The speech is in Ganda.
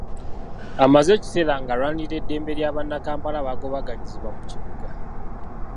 Amaze ekiseera ng’alwanirira eddembe lya bannakampala abagobaganyizibwa mu kibuga.